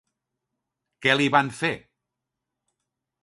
Què li van fer?